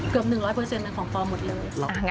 เกือบ๑๐๐ของปลอมหมดเลย